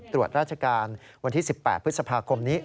ตรวจราชการวันที่๑๘พฤษภาคมนี้